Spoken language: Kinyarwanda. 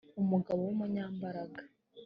umugabo w umunyambaraga